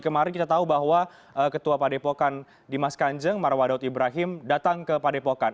kemarin kita tahu bahwa ketua padepokan dimas kanjeng marwadat ibrahim datang ke padepokan